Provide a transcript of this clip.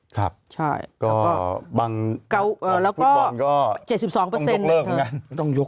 ครับแล้วก็ฟุตบอลก็ต้องยกเลิกเหมือนกันต้องยก